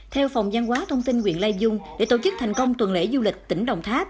theo phòng giang hóa thông tin huyện lai vung để tổ chức thành công tuần lễ du lịch tỉnh đồng tháp